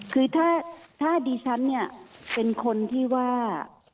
คือถ้าดิฉันเนี่ยเป็นคนที่ว่า